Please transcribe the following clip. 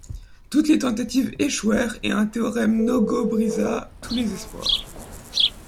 Toutes les tentatives échouèrent et un théorème no-go brisa tous les espoirs.